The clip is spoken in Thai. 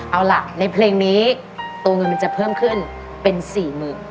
เอาล่ะในเพลงนี้ตัวเงินมันจะเพิ่มขึ้นเป็น๔๐๐๐บาท